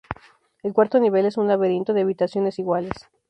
El cuarto nivel es un laberinto de habitaciones iguales.